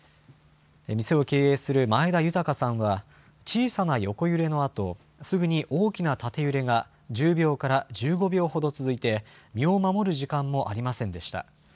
店を経営する前田豊さんは、小さな横揺れのあと、すぐに大きな縦揺れが１０秒から１５秒ほど続いて、身を守る時間もありませんでした。